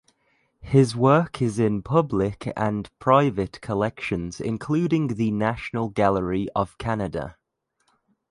His work is in public and private collections including the National Gallery of Canada.